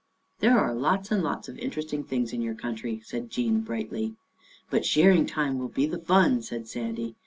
" There are lots and lots of interesting things in your country," said Jean brightly. " But shearing time will be the fun," said Sandy.